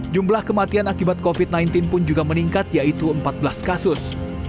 jumlah kematian akibat covid sembilan belas pun juga meningkat yaitu empat belas kasus